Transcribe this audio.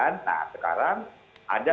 nah sekarang ada